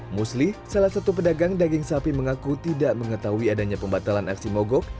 musli salah satu pedagang daging sapi mengaku tidak mengetahui adanya pembatalan aksi mogok